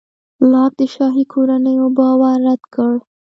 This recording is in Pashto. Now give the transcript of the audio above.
لاک د شاهي کورنیو باور رد کړ.